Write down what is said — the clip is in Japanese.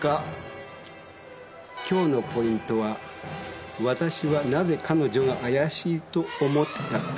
きょうのポイントはわたしはなぜ彼女が怪しいと思ったか。